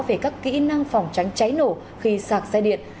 về các kỹ năng phòng tránh cháy nổ khi sạc xe điện